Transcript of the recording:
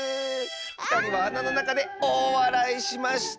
ふたりはあなのなかでおおわらいしました」。